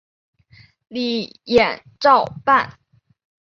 李俨照办。